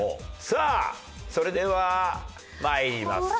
さあそれでは参ります。